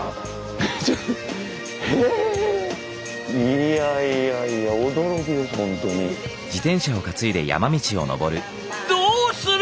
いやいやいやどうする？